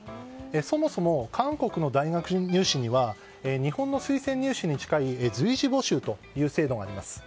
そもそも韓国の大学入試には日本の推薦入試に近い随時募集という制度があります。